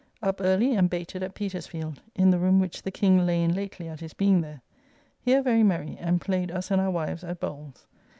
Up early, and bated at Petersfield, in the room which the King lay in lately at his being there. Here very merry, and played us and our wives at bowls.